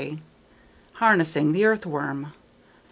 _Harnessing the Earthworm.